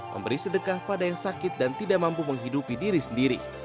memberi sedekah pada yang sakit dan tidak mampu menghidupi diri sendiri